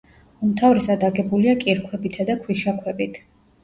უმთავრესად აგებულია კირქვებითა და ქვიშაქვებით.